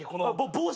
帽子？